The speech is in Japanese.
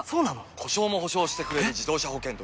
故障も補償してくれる自動車保険といえば？